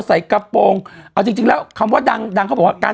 ใส่กระโปรงเอาจริงจริงแล้วคำว่าดังดังเขาบอกว่าการ